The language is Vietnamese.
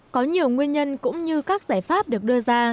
có nhiều nguyên nhân cũng như các giải pháp được đưa ra